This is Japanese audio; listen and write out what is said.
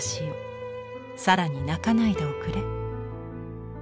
更に鳴かないでおくれ」。